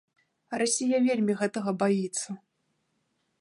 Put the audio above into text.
Расія вельмі гэтага баіцца.